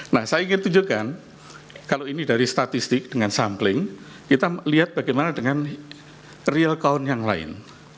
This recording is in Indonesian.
nah saya ingin tunjukkan kalau ini dari statistik dengan sampling kita lihat bagaimana dengan real count yang lain